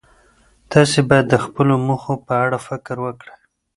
تاسې باید د خپلو موخو په اړه فکر وکړئ.